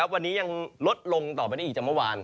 วันนี้ยังลดลงต่อไปได้อีกจากเมื่อวาน